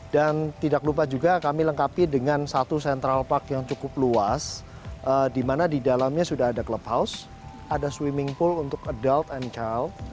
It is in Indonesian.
dan tidak lupa juga kami lengkapi dengan satu central park yang cukup luas di mana di dalamnya sudah ada clubhouse ada swimming pool untuk adult and child